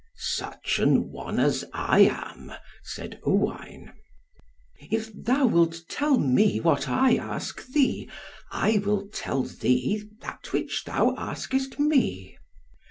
"Such an one as I am," said Owain. "If thou wilt tell me what I ask thee, I will tell thee that which thou askest me."